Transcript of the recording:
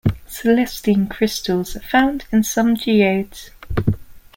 Celestine crystals are found in some geodes.